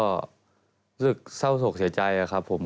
ก็รู้สึกเศร้าโศกเสียใจครับผม